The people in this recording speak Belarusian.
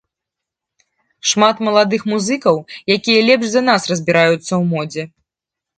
Шмат маладых музыкаў, якія лепш за нас разбіраюцца ў модзе.